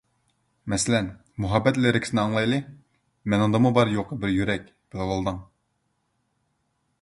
مەسىلەن، مۇھەببەت لىرىكىسىنى ئالايلى: مېنىڭدىمۇ بار-يوقى بىر يۈرەك، بىلىۋالدىڭ.